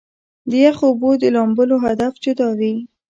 د يخو اوبو د لامبلو هدف جدا وي -